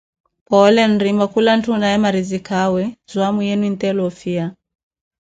Phoole nrima, kula ntthu onaaye marizikaawe, zwaamu yenu enttela ofiya.